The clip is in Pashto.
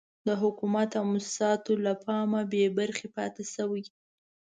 د حکومت او موسساتو له پام بې برخې پاتې شوي.